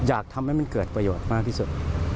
อยากให้มันเกิดประโยชน์มากที่สุด